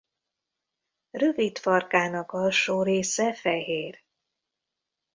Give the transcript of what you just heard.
Rövid farkának alsó része fehér.